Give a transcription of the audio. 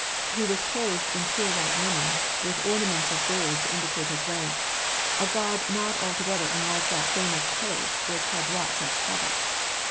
He was clothed in pure white linen, with ornaments of gold to indicate his rank, a garb not altogether unlike that famous coat, which had wrought such havoc.